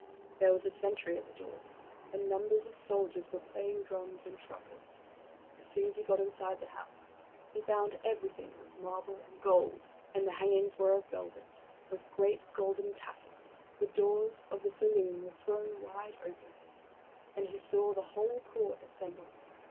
There was a sentry at the door, and numbers of soldiers were playing drums and trumpets. As soon as he got inside the house, he found everything was marble and gold; and the hangings were of velvet, with great golden tassels. The doors of the saloon were thrown wide open, and he saw the whole court assembled.